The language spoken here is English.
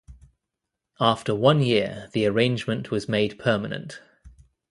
After one year the arrangement was made permanent.